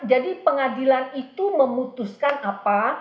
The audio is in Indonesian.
jadi pengadilan itu memutuskan apa